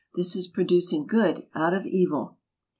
This is pro¬ ducing good out of evil.